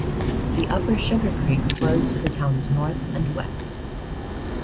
The Upper Sugar Creek flows to the town's north and west.